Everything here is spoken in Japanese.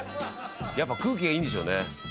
「やっぱ空気がいいんでしょうね」